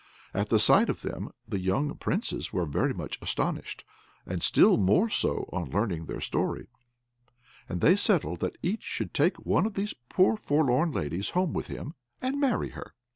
At the sight of them the young Princes were very much astonished, and still more so on learning their story; and they settled that each should take one of these poor forlorn ladies home with him, and marry her.